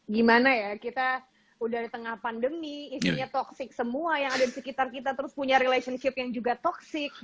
gimana ya kita udah di tengah pandemi isinya toxic semua yang ada di sekitar kita terus punya relationship yang juga toxic